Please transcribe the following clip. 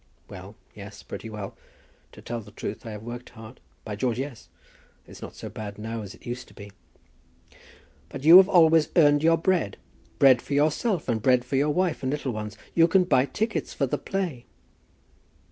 "Well, yes; pretty well. To tell the truth, I have worked hard. By George, yes! It's not so bad now as it used to be." "But you have always earned your bread; bread for yourself, and bread for your wife and little ones. You can buy tickets for the play."